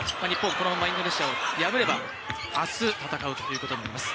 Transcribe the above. このままインドネシアを破ればあす、戦うということになります。